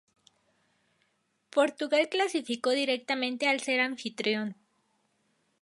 Portugal clasificó directamente al ser anfitrión.